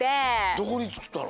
どこにつくったの？